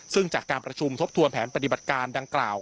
ซึ่งจากการประชุมทบทวนแผนปฏิบัติการดังกล่าว